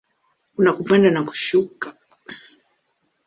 Kuna kupanda na kushuka.